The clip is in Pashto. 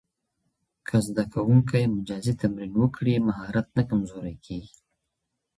که زده کوونکی مجازي تمرین وکړي، مهارت نه کمزورې کېږي.